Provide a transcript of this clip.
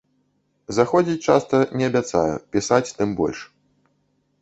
Заходзіць часта не абяцаю, пісаць, тым больш.